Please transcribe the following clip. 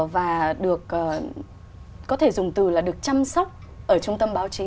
và được có thể dùng từ là được chăm sóc ở trung tâm báo chí